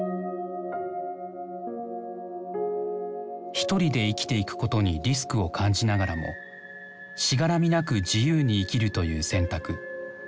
ひとりで生きていくことにリスクを感じながらもしがらみなく自由に生きるという選択。